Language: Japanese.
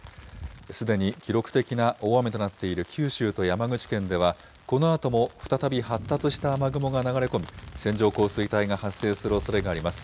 すでに記録的な大雨となっている九州と山口県では、このあとも再び発達した雨雲が流れ込み、線状降水帯が発生するおそれがあります。